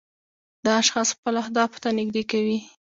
دا اشخاص خپلو اهدافو ته نږدې کوي.